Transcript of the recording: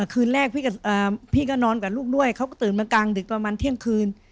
คืนแรกพี่ก็นอนกับลูกด้วยเขาก็ตื่นมากลางดึกประมาณเที่ยงคืน